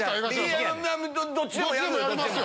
いやどっちでもやるよ。